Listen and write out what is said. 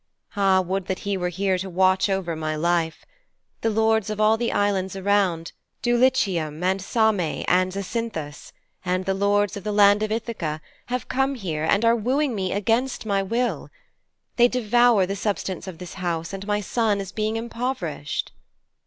Ah, would that he were here to watch over my life! The lords of all the islands around Dulichium and Same and Zacynthus; and the lords of the land of Ithaka, have come here and are wooing me against my will. They devour the substance of this house and my son is being impoverished.'